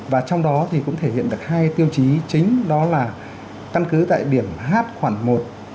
và trong đó thì cũng thể hiện được hai tiêu chí chính đó là căn cứ tại điểm h khoảng một